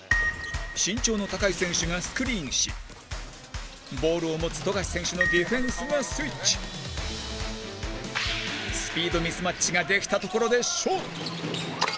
身長の高い選手がスクリーンしボールを持つ富樫選手のディフェンスが、スイッチスピードミスマッチができたところで、勝負！